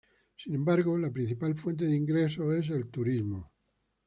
Sin embargo, la principal fuente de ingresos es el turismo.